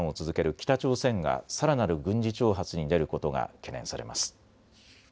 北朝鮮がさらなる軍事挑発に出ることが懸念されます。